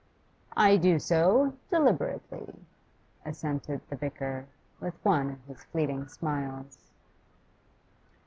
'I do so, deliberately,' assented the vicar, with one of his fleeting smiles.